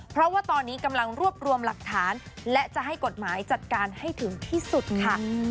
เพราะว่าตอนนี้กำลังรวบรวมหลักฐานและจะให้กฎหมายจัดการให้ถึงที่สุดค่ะ